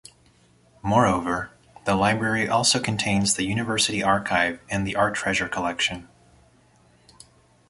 Moreover, the library also contains the university archive and the art treasure collection.